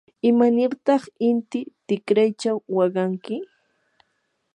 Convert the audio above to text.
¿imanirtaq inti tikraychaw waqanki?